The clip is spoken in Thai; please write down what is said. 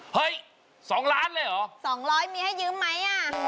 เห้ย๒ล้านเลยหรอ